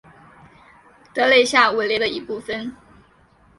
德雷下韦雷的一部分。